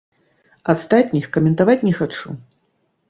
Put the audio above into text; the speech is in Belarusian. Астатніх каментаваць не хачу.